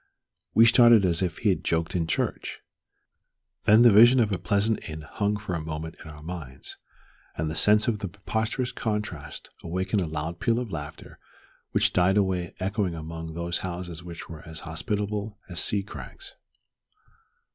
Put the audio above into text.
we started as if he had joked in church. Then the vision of a pleasant inn hung for a moment in our minds, and the sense of the preposterous contrast awakened a loud peal of laughter which died away echoing among those houses which were as hospitable as sea crags.